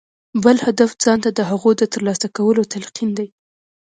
بل هدف ځان ته د هغو د ترلاسه کولو تلقين دی.